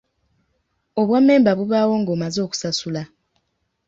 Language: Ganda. Obwammemba bubaawo nga omaze okusasula.